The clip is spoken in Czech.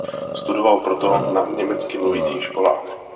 Studoval proto na německy mluvících školách.